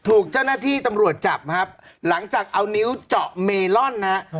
ถูกเจ้าหน้าที่ตำรวจจับครับหลังจากเอานิ้วเจาะเมลอนนะฮะ